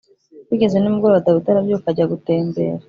Bigeze nimugoroba dawidi arabyuka ajya gutembera